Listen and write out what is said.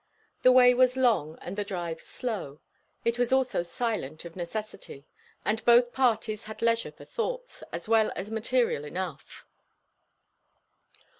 The way was long and the drive slow. It was also silent, of necessity; and both parties had leisure for thoughts, as well as material enough.